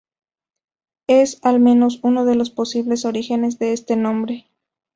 Es al menos uno de los posibles orígenes de este nombre.